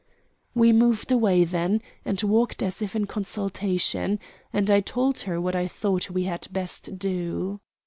We moved away then and walked as if in consultation, and I told her what I thought we had best do.